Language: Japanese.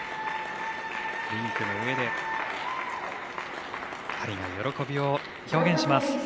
リンクの上で２人が喜びを表現します。